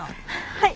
はい。